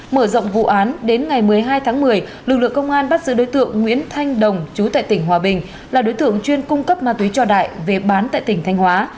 mở rộng vụ án đến ngày một mươi hai tháng một mươi lực lượng công an bắt giữ đối tượng nguyễn thanh đồng chú tại tỉnh hòa bình là đối tượng chuyên cung cấp ma túy cho đại về bán tại tỉnh thanh hóa